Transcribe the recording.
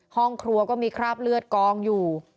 ห้องครัวก็มีคราบเลือดกองอยู่